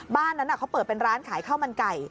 บ้านนั้นเขาเปิดเป็นร้านขายข้าวมันไก่